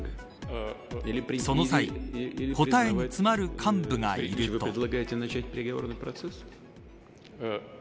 その際答えに詰まる幹部がいると。